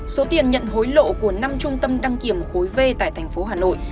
số tiền nhận hối lộ của năm trung tâm đăng kiểm khối v tại tp hcm